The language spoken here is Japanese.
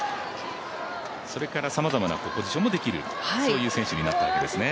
それからさまざまなポジションもできる、そういう選手になったんですね。